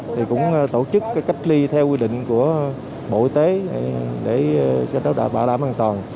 thì cũng tổ chức cái cách ly theo quy định của bộ y tế để cho nó bảo đảm an toàn